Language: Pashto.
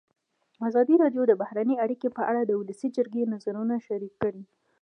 ازادي راډیو د بهرنۍ اړیکې په اړه د ولسي جرګې نظرونه شریک کړي.